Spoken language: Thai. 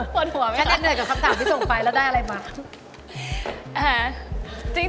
ปวดหัวไหมคะฉันเน็ตเหนื่อยกับคำถามพี่ส่งไปแล้วได้อะไรบ้าง